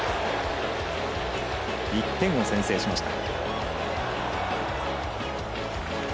１点を先制しました。